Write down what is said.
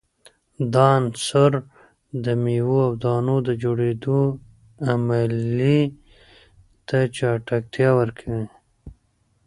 دا عنصر د میو او دانو د جوړیدو عملیې ته چټکتیا ورکوي.